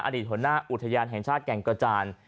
อดีตหัวหน้าอุทยานแห่งชาติแก่งกระจาน